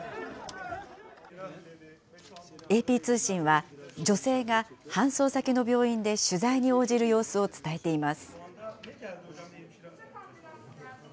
ＡＰ通信は、女性が搬送先の病院で取材に応じる様子を伝えています。